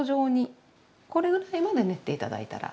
これぐらいまで練って頂いたら大丈夫です。